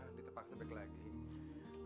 ada yang ketinggalan bu di rumah ditepak sepek lagi